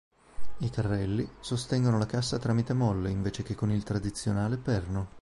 I carrelli sostengono la cassa tramite molle, invece che con il tradizionale perno.